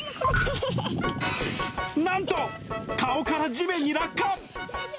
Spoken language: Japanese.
なんと、顔から地面に落下。